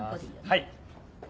はい。